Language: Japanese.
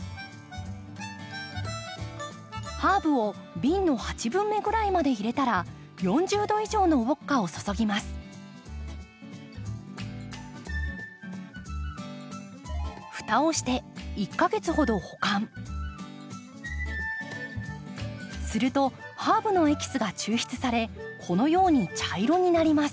ハーブを瓶の８分目ぐらいまで入れたら蓋をしてするとハーブのエキスが抽出されこのように茶色になります。